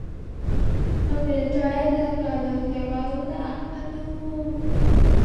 Macleod Trail continues north into downtown Calgary but does not carry a highway designation.